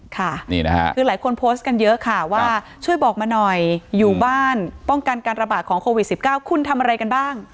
ค่ะคือหลายคนโพสต์กันเยอะค่ะว่าช่วยบอกมาหน่อยอยู่บ้านป้องกันการระบาดของโควิด๑๙คุณทำอะไรกันบ้าง